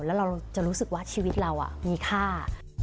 แล้วเราจะรู้สึกว่าชีวิตเรามีค่า